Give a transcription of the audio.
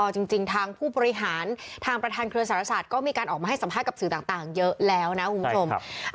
จริงทางผู้บริหารทางประธานเครือสารศาสตร์ก็มีการออกมาให้สัมภาษณ์กับสื่อต่างเยอะแล้วนะคุณผู้ชม